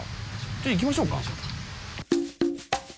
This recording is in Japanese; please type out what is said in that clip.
じゃあ行きましょうか。